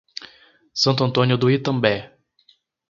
Santo Antônio do Itambé